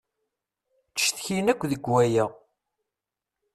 Ttcetkin akk deg waya.